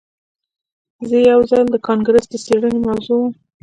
زه یو ځل د کانګرس د څیړنې موضوع وم